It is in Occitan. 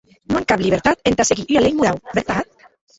Non an cap libertat entà seguir ua lei morau, vertat?